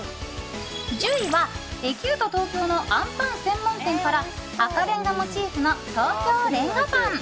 １０位はエキュート東京のあんぱん専門店から赤レンガモチーフの東京レンガぱん。